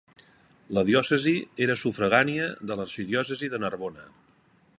La diòcesi era sufragània de l'arxidiòcesi de Narbona.